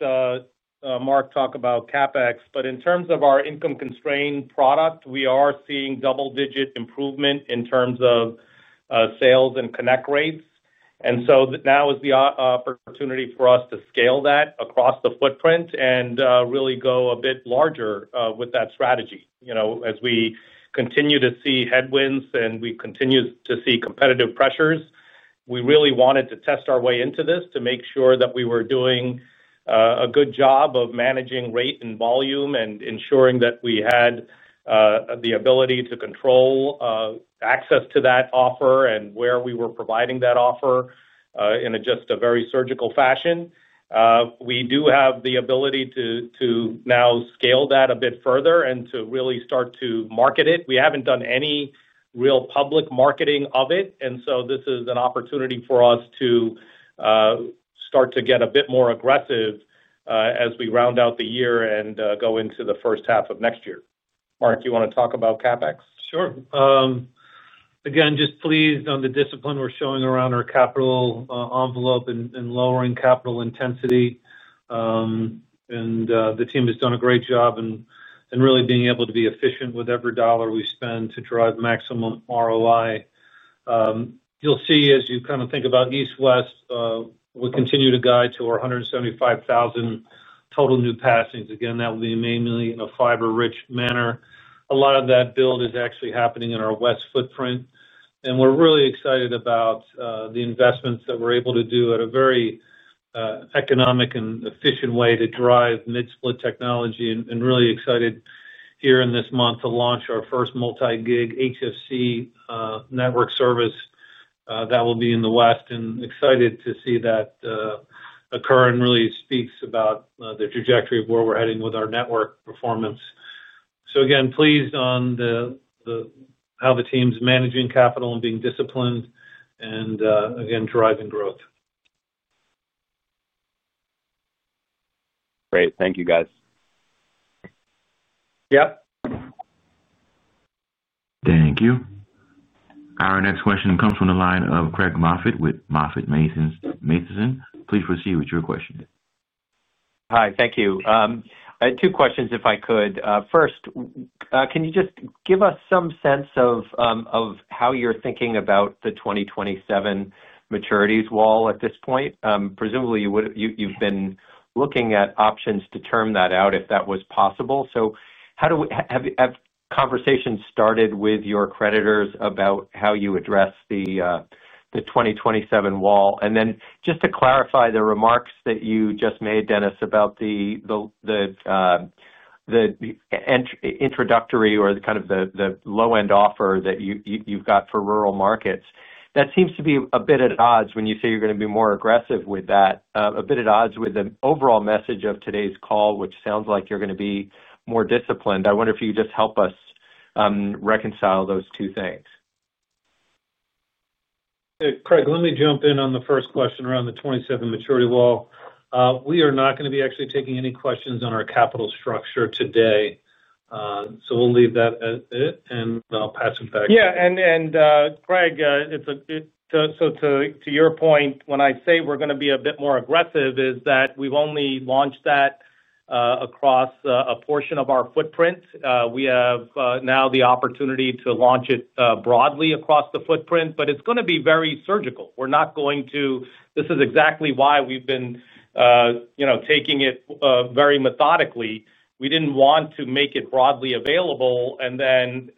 Mark talked about CapEx. In terms of our income-constrained product, we are seeing double-digit improvement in terms of sales and connect rates. Now is the opportunity for us to scale that across the footprint and really go a bit larger with that strategy. As we continue to see headwinds and we continue to see competitive pressures, we really wanted to test our way into this to make sure that we were doing a good job of managing rate and volume and ensuring that we had the ability to control access to that offer and where we were providing that offer in just a very surgical fashion. We do have the ability to now scale that a bit further and to really start to market it. We have not done any real public marketing of it. This is an opportunity for us to. Start to get a bit more aggressive as we round out the year and go into the first half of next year. Marc, do you want to talk about CapEx? Sure. Again, just pleased on the discipline we're showing around our capital envelope and lowering capital intensity. The team has done a great job in really being able to be efficient with every dollar we spend to drive maximum ROI. You'll see as you kind of think about East-West, we continue to guide to our 175,000 total new passings. Again, that will be mainly in a fiber-rich manner. A lot of that build is actually happening in our West footprint. We're really excited about the investments that we're able to do in a very economic and efficient way to drive mid-split technology and really excited here in this month to launch our first multi-gig HFC network service. That will be in the West and excited to see that occur and really speaks about the trajectory of where we're heading with our network performance. Again, pleased on how the team's managing capital and being disciplined and again, driving growth. Great. Thank you, guys. Yep. Thank you. Our next question comes from the line of Craig Moffett with MoffettNathanson. Please proceed with your question. Hi. Thank you. I had two questions if I could. First, can you just give us some sense of how you're thinking about the 2027 maturities wall at this point? Presumably, you've been looking at options to term that out if that was possible. Have conversations started with your creditors about how you address the 2027 wall? And then just to clarify the remarks that you just made, Dennis, about the. Introductory or kind of the low-end offer that you've got for rural markets, that seems to be a bit at odds when you say you're going to be more aggressive with that, a bit at odds with the overall message of today's call, which sounds like you're going to be more disciplined. I wonder if you could just help us reconcile those two things. Craig, let me jump in on the first question around the 2027 maturity wall. We are not going to be actually taking any questions on our capital structure today. We'll leave that at it, and I'll pass it back to you. Yeah. And Craig, to your point, when I say we're going to be a bit more aggressive, it's that we've only launched that across a portion of our footprint. We have now the opportunity to launch it broadly across the footprint, but it's going to be very surgical. We're not going to—this is exactly why we've been taking it very methodically. We didn't want to make it broadly available and then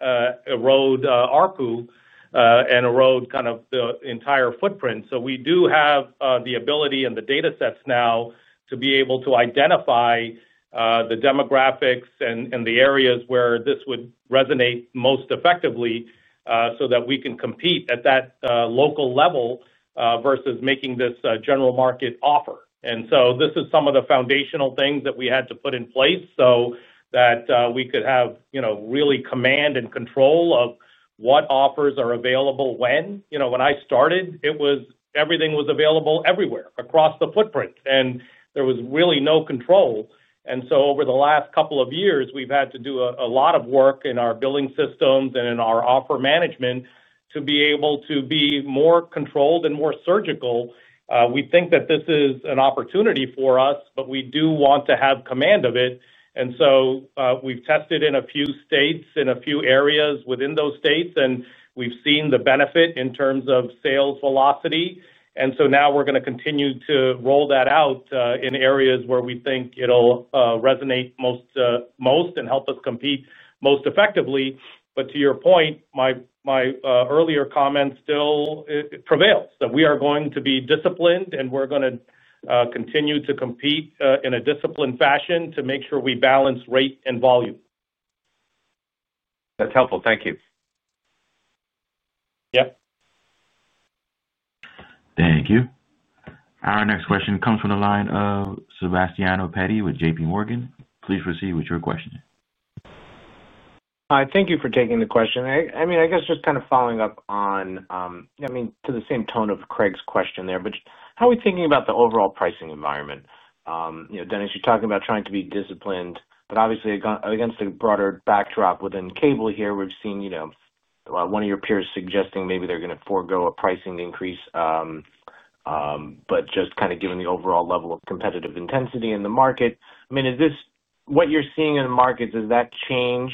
erode R2 and erode kind of the entire footprint. We do have the ability and the datasets now to be able to identify the demographics and the areas where this would resonate most effectively so that we can compete at that local level versus making this general market offer. This is some of the foundational things that we had to put in place so that we could have really command and control of what offers are available when. When I started, everything was available everywhere across the footprint, and there was really no control. Over the last couple of years, we've had to do a lot of work in our billing systems and in our offer management to be able to be more controlled and more surgical. We think that this is an opportunity for us, but we do want to have command of it. We've tested in a few states and a few areas within those states, and we've seen the benefit in terms of sales velocity. Now we're going to continue to roll that out in areas where we think it'll resonate most and help us compete most effectively. To your point, my earlier comment still prevails, that we are going to be disciplined and we're going to continue to compete in a disciplined fashion to make sure we balance rate and volume. That's helpful. Thank you. Yep. Thank you. Our next question comes from the line of Sebastiano Petti with JPMorgan. Please proceed with your question. Hi. Thank you for taking the question. I mean, I guess just kind of following up on—I mean, to the same tone of Craig's question there, but how are we thinking about the overall pricing environment? Dennis, you're talking about trying to be disciplined, but obviously, against the broader backdrop within cable here, we've seen one of your peers suggesting maybe they're going to forego a pricing increase, but just kind of given the overall level of competitive intensity in the market. I mean, is this what you're seeing in the markets? Does that change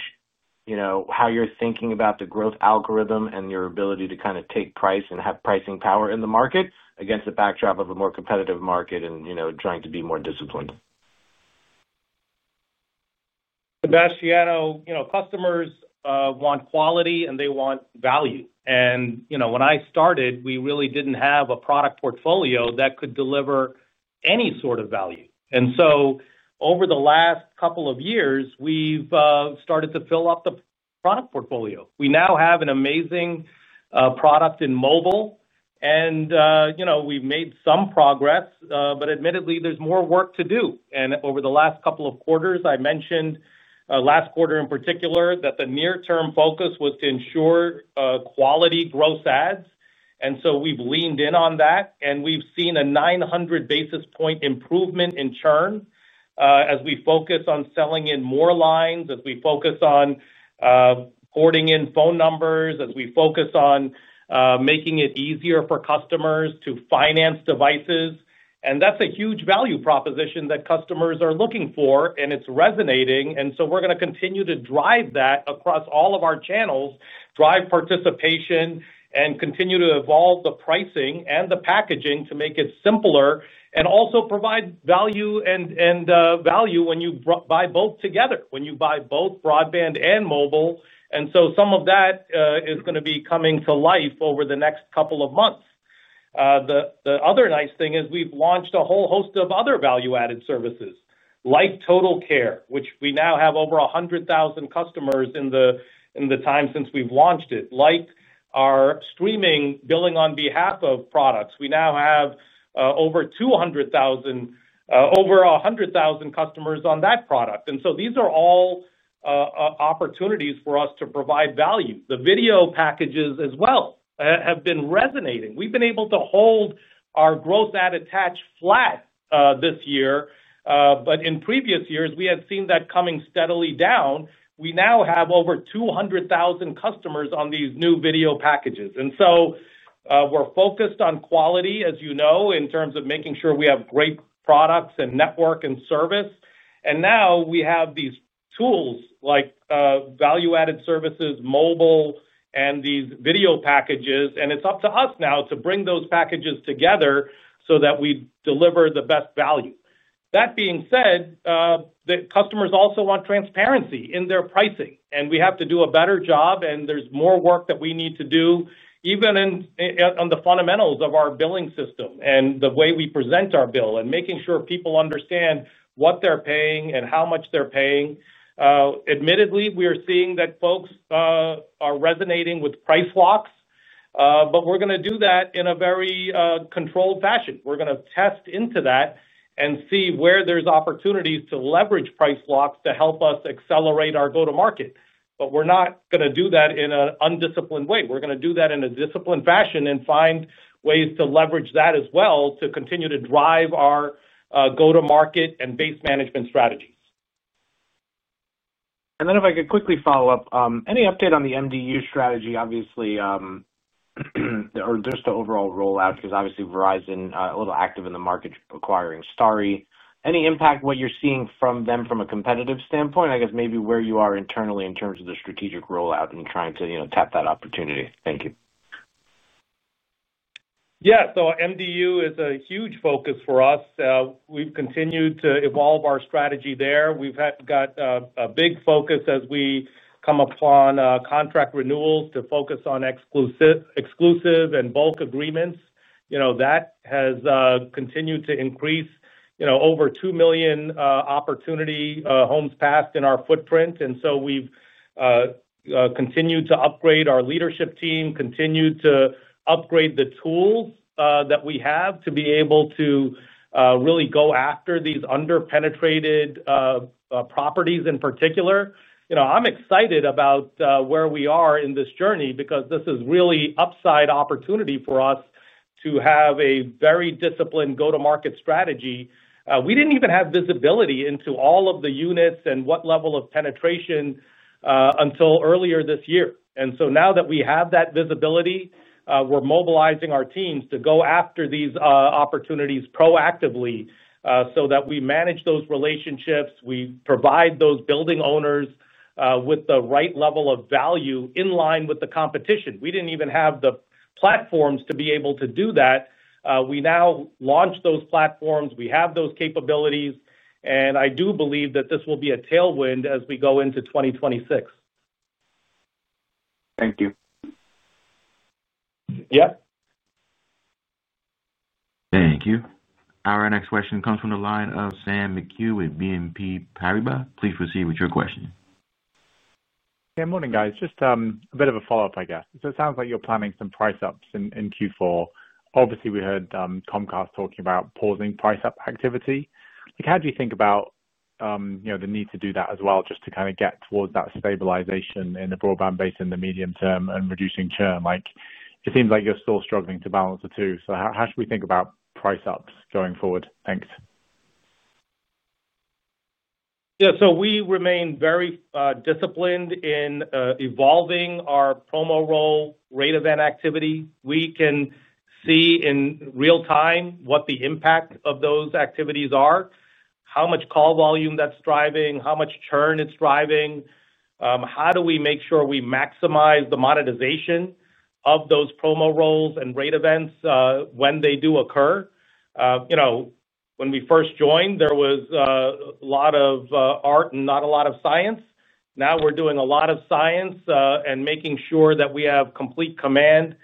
how you're thinking about the growth algorithm and your ability to kind of take price and have pricing power in the market against the backdrop of a more competitive market and trying to be more disciplined? Sebastiano, customers want quality, and they want value. When I started, we really did not have a product portfolio that could deliver any sort of value. Over the last couple of years, we have started to fill up the product portfolio. We now have an amazing product in mobile, and we have made some progress, but admittedly, there is more work to do. Over the last couple of quarters, I mentioned last quarter in particular that the near-term focus was to ensure quality gross ads. We have leaned in on that, and we have seen a 900 basis point improvement in churn as we focus on selling in more lines, as we focus on porting in phone numbers, as we focus on making it easier for customers to finance devices. That is a huge value proposition that customers are looking for, and it is resonating. We're going to continue to drive that across all of our channels, drive participation, and continue to evolve the pricing and the packaging to make it simpler and also provide value and value when you buy both together, when you buy both broadband and mobile. Some of that is going to be coming to life over the next couple of months. The other nice thing is we've launched a whole host of other value-added services like Total Care, which we now have over 100,000 customers in the time since we've launched it, like our streaming billing on behalf of products. We now have over 100,000 customers on that product. These are all opportunities for us to provide value. The video packages as well have been resonating. We've been able to hold our gross ad attach flat this year, but in previous years, we had seen that coming steadily down. We now have over 200,000 customers on these new video packages. We are focused on quality, as you know, in terms of making sure we have great products and network and service. Now we have these tools like value-added services, mobile, and these video packages. It is up to us now to bring those packages together so that we deliver the best value. That being said, customers also want transparency in their pricing. We have to do a better job, and there is more work that we need to do even on the fundamentals of our billing system and the way we present our bill and making sure people understand what they are paying and how much they are paying. Admittedly, we are seeing that folks are resonating with price locks, but we're going to do that in a very controlled fashion. We're going to test into that and see where there's opportunities to leverage price locks to help us accelerate our go-to-market. We're not going to do that in an undisciplined way. We're going to do that in a disciplined fashion and find ways to leverage that as well to continue to drive our go-to-market and base management strategies. If I could quickly follow up, any update on the MDU strategy, obviously. Or just the overall rollout? Because obviously, Verizon is a little active in the market acquiring Starry. Any impact on what you're seeing from them from a competitive standpoint? I guess maybe where you are internally in terms of the strategic rollout and trying to tap that opportunity. Thank you. Yeah. MDU is a huge focus for us. We've continued to evolve our strategy there. We've got a big focus as we come upon contract renewals to focus on exclusive and bulk agreements. That has continued to increase over 2 million opportunity homes passed in our footprint. We've continued to upgrade our leadership team, continued to upgrade the tools that we have to be able to really go after these under-penetrated properties in particular. I'm excited about where we are in this journey because this is really an upside opportunity for us to have a very disciplined go-to-market strategy. We didn't even have visibility into all of the units and what level of penetration until earlier this year. Now that we have that visibility, we're mobilizing our teams to go after these opportunities proactively so that we manage those relationships. We provide those building owners with the right level of value in line with the competition. We did not even have the platforms to be able to do that. We now launched those platforms. We have those capabilities. I do believe that this will be a tailwind as we go into 2026. Thank you. Yep. Thank you. Our next question comes from the line of Sam McHugh with BNP Paribas. Please proceed with your question. Good morning, guys. Just a bit of a follow-up, I guess. It sounds like you are planning some price ups in Q4. Obviously, we heard Comcast talking about pausing price-up activity. How do you think about the need to do that as well just to kind of get towards that stabilization in the broadband base in the medium term and reducing churn? It seems like you are still struggling to balance the two. How should we think about price ups going forward? Thanks. Yeah. We remain very disciplined in evolving our promo roll rate event activity. We can see in real time what the impact of those activities are, how much call volume that is driving, how much churn it is driving. How do we make sure we maximize the monetization of those promo rolls and rate events when they do occur? When we first joined, there was a lot of art and not a lot of science. Now we are doing a lot of science and making sure that we have complete command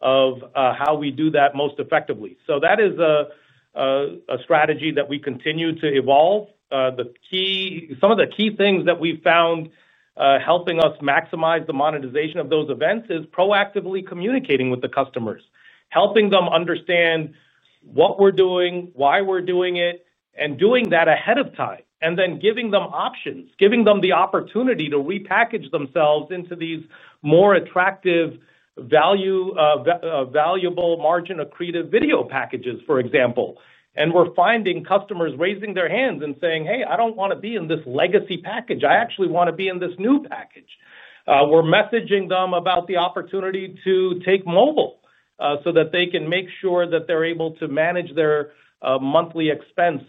of how we do that most effectively. That is a strategy that we continue to evolve. Some of the key things that we have found. Helping us maximize the monetization of those events is proactively communicating with the customers, helping them understand what we're doing, why we're doing it, and doing that ahead of time, and then giving them options, giving them the opportunity to repackage themselves into these more attractive, valuable margin-accretive video packages, for example. We're finding customers raising their hands and saying, "Hey, I don't want to be in this legacy package. I actually want to be in this new package." We're messaging them about the opportunity to take mobile so that they can make sure that they're able to manage their monthly expense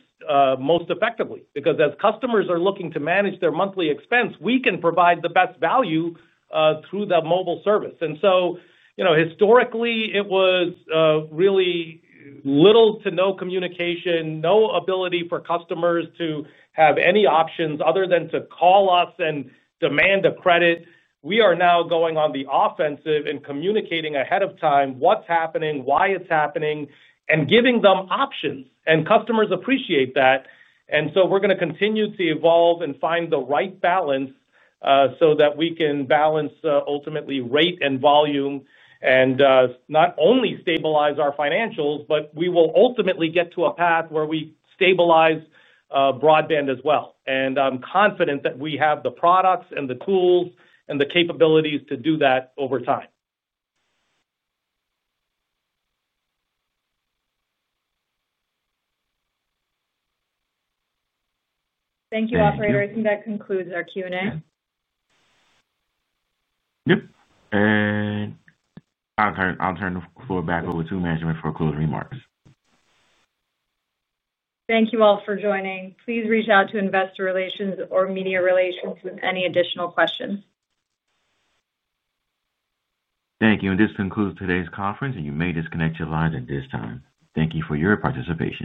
most effectively. Because as customers are looking to manage their monthly expense, we can provide the best value through that mobile service. And so historically, it was really little to no communication, no ability for customers to have any options other than to call us and demand a credit. We are now going on the offensive and communicating ahead of time what's happening, why it's happening, and giving them options. Customers appreciate that. We are going to continue to evolve and find the right balance so that we can balance ultimately rate and volume and not only stabilize our financials, but we will ultimately get to a path where we stabilize broadband as well. I'm confident that we have the products and the tools and the capabilities to do that over time. Thank you, operators. I think that concludes our Q&A. Yep. I'll turn the floor back over to management for closing remarks. Thank you all for joining. Please reach out to investor relations or media relations with any additional questions. Thank you. This concludes today's conference, and you may disconnect your lines at this time. Thank you for your participation.